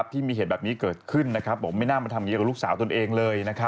ที่มีเหตุแบบนี้เกิดขึ้นบอกไม่น่ามาทำอย่างนี้กับลูกสาวตนเองเลย